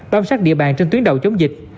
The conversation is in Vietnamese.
bám sát địa bàn trên tuyến đầu chống dịch